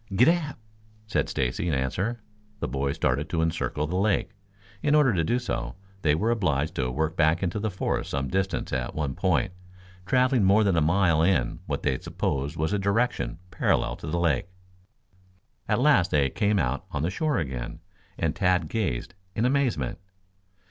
"Giddap," said Stacy in answer. The boys started to encircle the lake. In order to do so, they were obliged to work back into the forest some distance at one point, traveling more than a mile in what they supposed was a direction parallel to the lake. At last they came out on the shore again, and Tad gazed in amazement.